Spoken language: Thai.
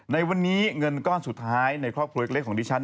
ในวันนี้เงินก้อนสุดท้ายในครอบครัวเล็กของดิฉัน